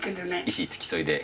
医師付き添いで。